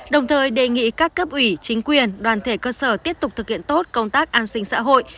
đồng thời đề nghị các cấp ủy chính quyền đoàn thể cơ sở tiếp tục thực hiện tốt công tác an sinh xã hội